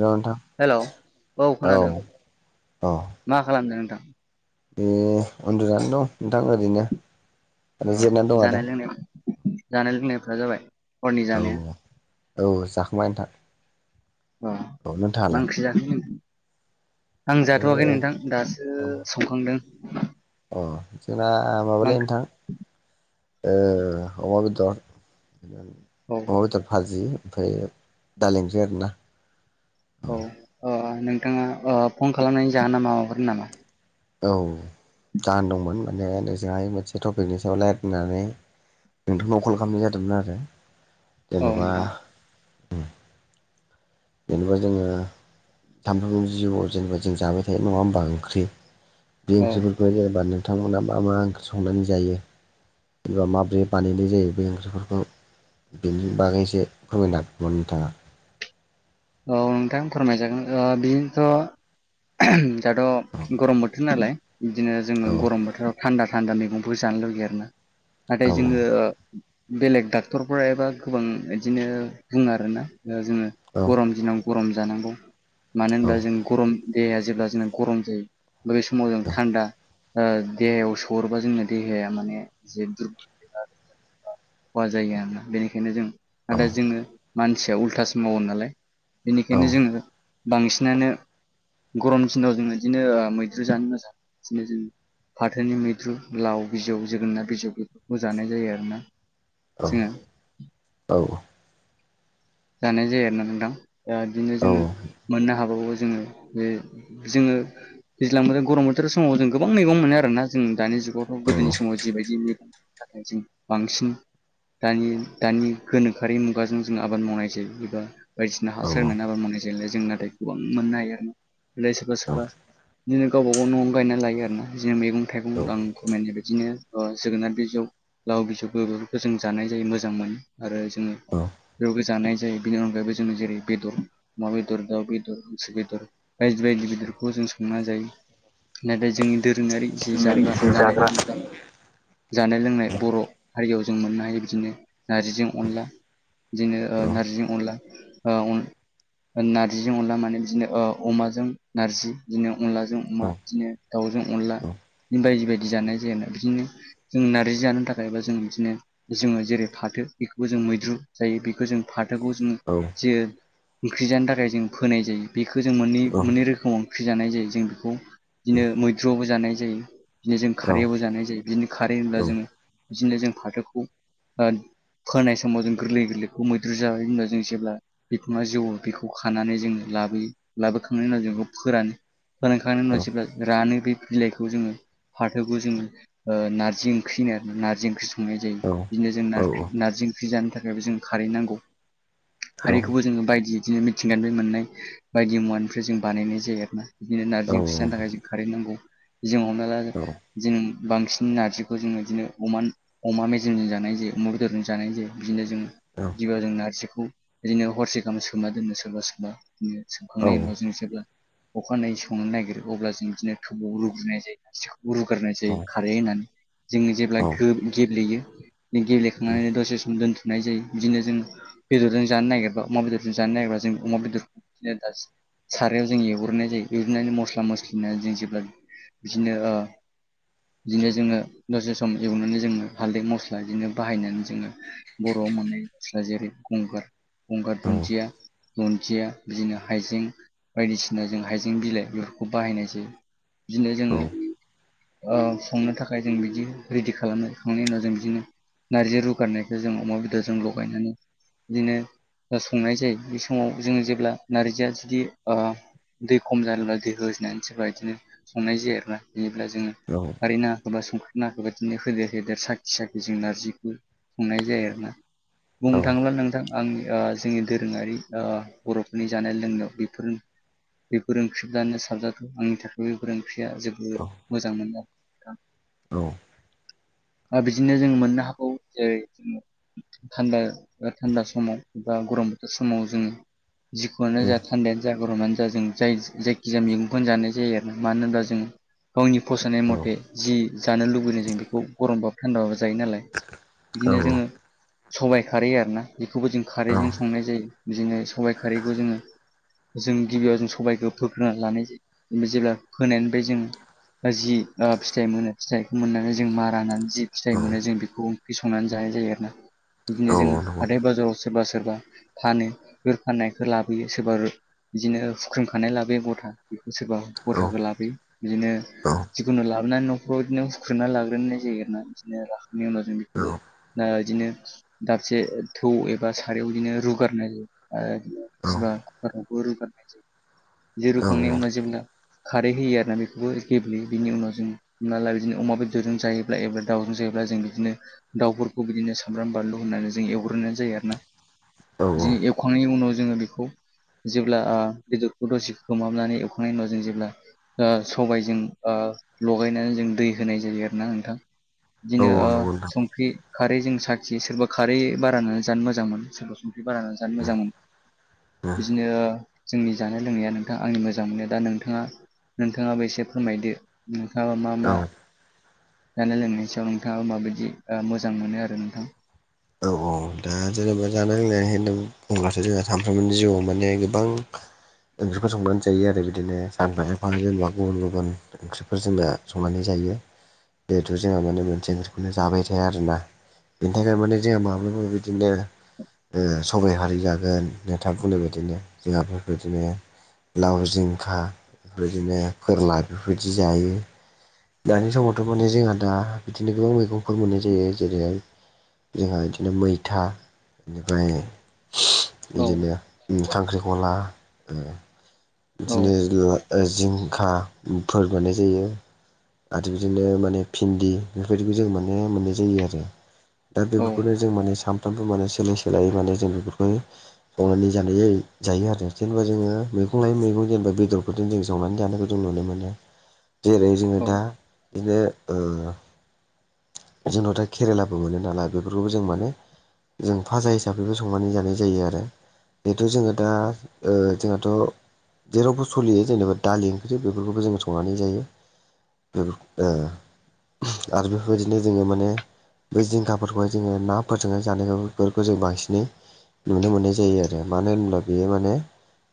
नथां हेलौ औ औ मा खालामदों नोंथां बे उन्दुनानै दं नोंथां ओरैनो ओरै जिरनानै दं आरो जानाय लोंनाय जानाय लोंनायफोरा जाबाय हरनि औ जानाया औ जाखांबाय नोंथां मा औ नोंथाङालाय ओंख्रि जाखो आं जाथ'वाखै ओ नोंथां दासो अ संखांदों अ जोंना मा माबालाय ओंख्रि नोंथां अमा बेदर औ अमा बेदर भाजि ओमफ्राय दालि ओंख्रि आरो ना औ अ नोंथाङा फन खालामनायनि जाहोन ना मा माबाफोर नामा औ दान दंमोन माने नोंजोंहाय मोनसे टपिकनि सायाव रायज्लायनानै नोंथांनाव कल खालामनाय जादोंमोन आरो औ जेन'बा नोंथां जेनेबा जोङो सामफ्रोमबो जिउआव जेनेबा जों जाबाय थायो नङा होमबा ओंख्रि बे औ ओंख्रिफोरखौ जेनेबा नोंथांमोना मा मा ओंख्रि संनानै जायो एबा माबोरै बानायनाय जायो बे ओंख्रिफोरखौ बिनि बागैसो फोरमिनाथ नोंथाङा औ नोंथां फोरमायजागोन बेनोथ' दाथ' गरम बोथोर नालाय बिदिनो औ जोङो गरम बोथोराव थान्दा थान्दा मैगंफोर जानो लुगैयो आर ना औ नाथाय जोङो बेलेग डाक्टरफोरा एबा गोबां बिदिनो बुङो आरोना जोङो औ गरम दिनाव गरम जानांगौ मानो औ होनबा जों गरम देहाया जेब्ला जों गरम जायो बै समाव जों औ थान्दा देहायाव सरोबा जोंनो देहाया माने जे खहा जायो आरोना बेनिखायनो जों औ आरो दा जोङो मानसिया उल्थासो मावो नालाय औ बेनिखायनो जोङो बांसिनानो गरम दिनाव जोङो बिदिनो मैद्रु जानो मोजां बिनो जों फाथोनि मैद्रु लाव बिजौ जोगोनोनार बिजौ बेफोरखौ जानाय जायो आरो ना औ औ औ जानाय जायो आरा बुंदां दा बिदिनो औ जोङो मोननो हाबावो जोङो बे जोङो दैज्लां बोथोर गरम बोथोर समाव जों गोबां मैगं मोनो आरोना जों दानि जुगावथ' गोदोनि समाव जिबायदि मैगं बांसिन दानि दानि गोनोखोआरि मुगाजों जों आबाद मावनाय एबा बायदिसिना हासार औ होननानै आबा मोननाय जाय जों नाथाय गोबां मोननो हायो ओफ्राय सोरबा सोरबा बिदिनो गावबा गाव न'आवनो गायना लायो आरो ना बिदिनो मैगं थाइगं दां खमायनाय बिदिनो जोगोनार बिजौ लाव बिजौ बेफोरखौ जों जानाय जायो मोजां मोनो आरो जोङो बेयावबो जानाय जेरै बेदर मा बेदर दाउ बेदर बेदर बायदि बायदि बेदरखौ जों संना जायो नाथाय जोंनि दोरोङारि जि जाग्रा जानाय लोंनाय जानाय लोंनाय बर' हारियाव जों मोननो हायो बिदिनो नार्जिजों अनला बिदिनोज जिजों अनला ओ अ ओ नार्जिजों अनला माने बिदिनो अमाजों नार्जि बिदिनो अनलाजों अमा औ बिदिनो दाउजों अनला औ बिदिनो बायदि बायदि जानाय औ जायो आरोना बिदिनो जों नारजि जानो थाखाय बा जों बिदिनो जोङो जेरै फाथो बेखौबो जों मैद्रु जायो बेखौ जों फाथोखौ औ जोंङो बेखो जों औ मोननै औ औ मोननै रोखोमाव बिदिनो जों खारैयावबो औ जानाय जायो बिदिनो खारै होनब्ला जोङो बिदिनो जों फाथोखौ ओ फोनाय समाव जों गोरलै गोरलैखौ मो बुरजाहै होमबा जों जेब्ला बिखुङा जौ बिजौखौ खानानै जों लाबोयो लाबोखा खांनायनि उनाव जोंखौ फोरानो फोरानखांनायनि उनाव जेब्ला रानो बे बिलाइखौ जोङो फाथोखौ जोङो ओ नारजि ओंख्रि होनो आरो नारजि ओंख्रि संनाय जायो बिदिनो जों नारजि नारजि ओंख्रि जानो थाखायबो जोंनो खारै नांगौ। खारैखौबो जोङो बायदि इदिनो मिथिंगानिफाय मोननाय बायदि मुवानिफ्राय जों बानायनाय जायो आरोना। बिदिनो नारजि ओंख्रि जानो थाखाय जों खारै नांगौ जों हमना ला जों बांसिन नारजिखौ जोङो इदिनो अमानो अमा मेजेमजों जानाय जायो अमा बेदरजों जानाय जायो बिदिनो जों औ। गिबियाव जों नारजिखौ बिदिनो हरसे गाहाम सोमना दोननो सोरबा सोरबा। बिदिनो संखांनायनि उनाव जों जेब्ला अखानायै संनो नागिरो अब्ला जों बिदिनो थौआव लुुग्रोनाय जायो। सिखौ रुगारनाय जायो खारै होननानै जोङो जेब्ला गो गेब्लेयो गेब्लेखांनानै दसे सम दोनथुमनाय जायो बिदिनो जों बेदरजों जानो नागिरबा अमा बेदरजों जानो नागिरा जों अमा बेदर [unintelligible] सारायाव जों एवग्रोनाय जायो एवग्रोनानै मस्ला मस्लि होना जों जेब्ला बिदिनो ओ बिदिनो जोङो दसे सम एवनानै जोङो हाल्दै मस्ला बिदिनो बाहायनानै जोङो बर'आव मोननाय स्ला जेरै गंगार गंगार दुन्दिया दुन्दिया बिदिनो हाइजें बायदिसिना जों हाइजें बिलाइ बेफोरखौ बाहायनाय जायो बिदिनो जोङो ओ संनो थाखाय जों बिदि रेडि खालामो खांनायनि उनाव जों बिदिनो नार्जि रुगारनायखो जों अमा बेदरजों लगायनानै बिदिनो ओ संनाय जायो बे समाव जोङो जेब्ला नारजिया जुदि ओ दै खम जादोब्ला दै होनानै सोरबा इदिनो संनाय जायो आरोना बिनिफ्राय जोङो औ। खारै नाङाखैबा संख्रि नाङाखैबा बिदिनो होदेर होदेर साखि साखि जों नारजिखौ संनाय जायो आरोना। औ बुंनो थाङोब्ला नोंथां आंनि ओ जोंनि दोरोङारि ओ बर'फोरनि जानाय लोंनायाव बेफोर बेफोर ओंख्रिफ्रानो साबजाथाव आंनि थाखायबो बेफोर ओंख्रिया जोबोद औ मोजां मोनद नोंथां। औ। ओ बिदिनो जों मोननो हागौ जेरै जों थान्दा ओ थान्दा समाव बा गरम बोथोर समाव जोङो जिखुनो जाया थान्दायानो जा गरमानो जा जों जाय जायखिजाया मैगंखौनो जानाय जायो आरो मानो होनब्ला जों गावनि फसायनाय मथे जि जानो लुबैदों जों बेखौ गरमबाबो थान्दाबो जायो नालाय। बिदिनो जोङो सबाइ खारै आरोना बेखौबो जों खारैजों संनाय जायो बिदिनो सबाइ खारैखौ जोङो जों गिबियाव जों सबायखौ फोग्रोनानै लानाय जायो बिनिफ्राय जेब्ला फोनायनिफ्राय जों जि ओ फिथाइ मोनो फिथाइखौ मोननानै जों मारा होननानै जि फिथाइ मोनो जों बेखौ ओंख्रि संनानै जानाय जायो आरोना बिदिनो जोङो हाथाय बाजाराव सोरबा सोरबा फानो बे फाननायखौ लाबोयो सोरबा रो बिदिनो हुख्रोमखानाय लाबोयो गथा। बेखौ सोरबा गथाखौ लाबोयो बिदिनो जिखुनु लाबोनानै न' बेखौ बिदिनो हुख्रेमना लाग्रोनाय जायो आरोना बिदिनो लाखांनायनि उनाव जों बेखौबो दा इदिनो दाबसे थौ एबा सारायाव बिदिनो रुगारनाय जायो आरो सोरबा कुकाराव रुगारनाय जायो जे रुखांनायनि उनाव जेब्ला खारै होयो आरोना बेखौबो गेब्लेयो बिनि उनाव जों हमना ला बिदिनो अमा बेदरजों जायोब्ला एबा दाउजों जायोब्ला जों बिदिनो दाउफोरखौ बिदिनो सामब्राम बानलु होननानै जों एवग्रोनाय जायो आरोना बिदिनो एवखांनायनि उनाव जोङो बेखौ जेब्ला ओ बेदरखौ दसे खोमहाबनानै एवखांनायनि उनाव जों जेब्ला ओ सबायजों ओ लगायनानै जों दै होनाय जायो आरोना नोंथां। बिदिनो ओ संख्रि खारै जों साखियो सोरबा खारै बारानानै जानो मोजांमोनो सोरबा संख्रि बाराहोनानै जानो मोजां मोनो बिदिनो जोंनि जानाय लोंनाया नोंथां आंनि मोजां मोना दा नोंथाङा नोंथाङाबो एसे फोरमायदो नोंथाङा मा मा जानाय लोंनायनि सायाव नोंथाङा माबायदि मोजां मोनो आरो नोंथां औ औ दा जेनेबा जानाय लोंनाय होनना बुंब्लाथ' जोंहा सानफ्रोमबोनि जिउआव माने गोबां ओंख्रिखौ संनानै जायो आरो बिदिनो सानफा एफा जेनेबा गुबुन गुबुन ओंख्रिफोर जोङो संनानै जायो बेथ' जोंहा माने मोनसे ओंख्रिखौनो जाबाय थाया आरोना बेनि थाखायनो माने जोंहा माब्लाबा बिदिनो सबायाइ हारि जागोन नोंथां बुंनाय बायदिनो जोंहा बेबायदिनो लाउ जिंखा बेबायदिनो फोरला बेफोरबायदि जायो दानि समावथ' माने जोंहा दा बिदिनो गोबां मैगंफोर मोननाय जायो जेरैहाय जोंहा बिदिनो मैथा बेनिफ्राय औ बिदिनो खांख्रिखला औ बिदिनो जिंखाफोर बानायनाय जायो आरो बिदिनो माने भिन्दि बेफोरबायदिखौ जों माने मोननाय जायो आरो दा औ बेफोरखौनो जों माने सानफ्रामबो माने सोलाय सोलाय माने जों बेफोरखौहाय मावनानै जानाय जायो आरो जेनेबा जोङो मैगं मैगं जेनेबा बेदरफोरजों जों संनानै जानायखौ जों नुनो मोनो जेरै जोङो औ दा बिदिनो जोंनावदा केरेलाबो मोनो नालाय बेफोरखौबो जों माने जों फाजा हिसाबैबो संनानै जानाय जायो आरो बेथ' जोङो दा जोंहाथ' जेरावबो सोलियो जेनेबा दालि ओंख्रि बेफोरखौबो जोङ संनानै जायो आरो बेफोरबायदिनो जोङो माने बे जिंखाफोरखौहाय जोङो नाफोरजोंहाय जानायखौफोरखौ जों बांसिनै नुनो मोननाय जायो आरो मानो होनब्ला बेयो माने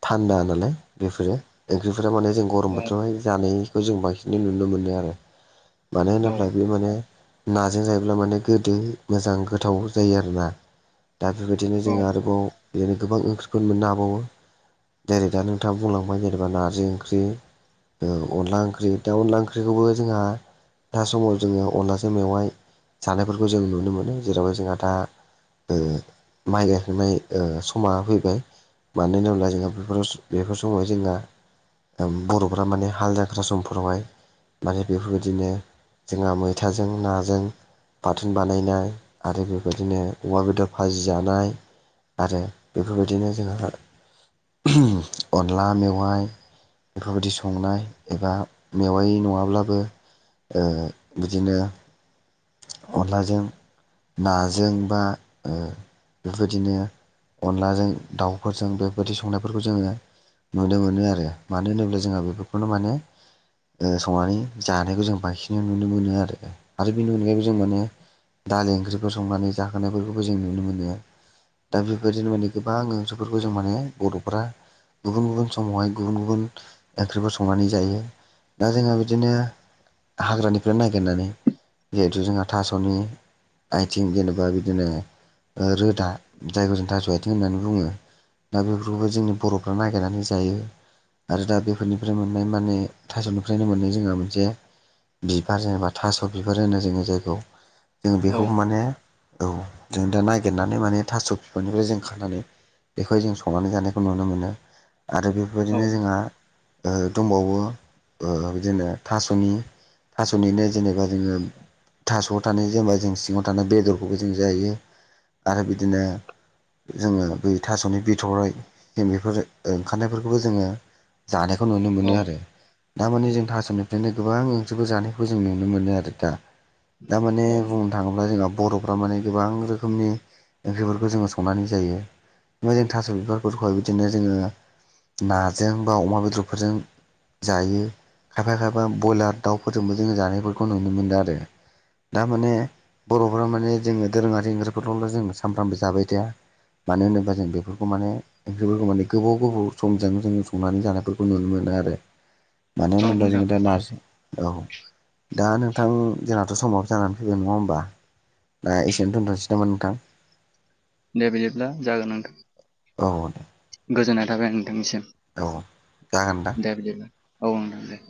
थान्दा नालाय बेफोरो ओंख्रिफोरा माने जों गरम बोथोराव होयो जानायखौ जों बांसिन नुनो मोनो आरो मानो औ होनोब्ला बे माने नाजों जायोब्ला माने गोदो मोजां गोथाव जायो आरो ना दा बेफोरबायदिनो औ जोङो आरोबाव बिदिनो गोबां ओंख्रिफोर मोननो हाबावो डाइरेक्टआनो [unintelligible] खोथा बुंलांबाय जेनेबा नारजि ओंख्रि अनला ओंख्रि दा अनला ओंख्रिखौबो जोंहा दा समाव जोङो अनलाजों मेवाइ जानायफोरखौ जों नुनो मोनो जेरावह जोंहा दा माइ गायखांनाय समा फैबाय मानो होनोब्ला जोंहा बेफोराव बेफोर समावहाय जोंना बर'फोरा माने हालदाख्रा समफोरावहाय माने बेफोरबायदिनो जोंहा मैथाजों नाजों बाथोन बानायनाय आरो बेबायदिनो अमा बेदर भाजि जानाय आरो बेफोरबायदिनो जोंहा अनला मेवाय बेफोरबायदि संनाय एबा मेवाय नङाब्लाबो बिदिनो अनलाजों नाजों बा बेबायदिनो अनलाजों दाउफोरजों बेबायदि संनायफोरखौ जोङो नुनो मोनो आरो मानो होनोब्ला जोंहा बेफोरखौनो माने संनानै जानायखौ जों बांसिनैनो नुनो मोनो आरो आरो बेनि अनगायैबो जों माने दालि ओंख्रिफोर संनानै जानायफोरखौबो जों नुनो मोनो दा बेबायाददिनो माने गोबां ओंख्रिफोरखौ जों माने बर'फ्रा गुबुन गुबुन समावहाय गुबुन गुबुन ओंख्रिफोर संनानै जायो दा जोङो बिदिनो हाग्रानिफ्राय नागिरनानै जिहेथु जोंहा थास'नि आथिं जेनेबा बिदिनो रोदा जायफोरजों थास' आथिं होननानै बुङो दा बेफोरखौबो जोंनि बर'फ्रा नागिरनानै जायो। आरो दा बेफोरनिफ्राय मोननाय माने थास'निफ्रायनो मोननाय जोंहा मोनसे बिबार जेनेबा थास' बिबार होनो जोङो जायखौ जोङो बेखौ माने औ जों दा नागिरनानै माने थास' बिफांनिफ्राय जों खानानै बेखौहाय जों संनानै जानायखौ नुनो मोनो आरो औ बेफोरबायदिनो जोंहा दंबावो बिदिनो थास'नि थास'निनो जेनेबा जोङो थास'आव थानाय जेनेबा जों सिङाव थानाय बेदरखौबो जों जायो आरो बिदिनो जोङो बै थास'नि बिथ'राइ जों बेफोर ओंखारनायफोरखौबो जोङो जानायखौ नुनो औ मोनो आरो थारमाने जों थास'निफ्रायनो गोबां ओंख्रिखौ जानायखौबो जों नुनो मोनो आरो दामाने बुं थाङोब्ला जोंहा बर'फ्रा माने गोबां रोखोमनि ओंख्रिफोरखौ जोङो संनानै जायो ओमफ्राय जों थास' बिबारफोरखौहाय बिदिनो जोङो नाजों बा अमा बेदरफोरजों। जायो खायफा खायफा ब्रयलार दाउफोरजोंबो जोङो जानायफोरखौ नुनो मोनो आरो। दा माने बर'फोरा माने जोङो दोरोङारि ओंख्रिफोरखौल' जों सानफ्रामबो जाबाय थाया मानो होनोबा जों बेफोरखौ माने ओंख्रिफोरखौ माने गोबाव गोबाव समजों जों संनानै जानायफोरखौ खौ नुनो मोनो आरो मानो औ होनोबा नोंथां जोङो दा नार्जि औ दा नोंथां जोंनाथ' समाबो जानानै फैबाय नङा होमबा दा एसेयावनो दोन्थ'नोसै नामा नोंथां। दे बिदिब्ला जागोन नोंथां औ। गोजोननाय थाबाय नोंथांनिसिम औ जागोन नोंथां दे बिदिब्लालाय औ नोंथां दे